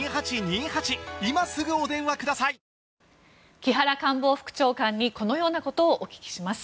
木原官房副長官にこのようなことをお聞きします。